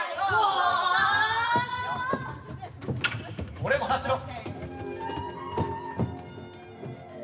俺も走ろう。